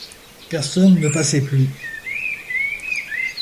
Personne ne passait plus.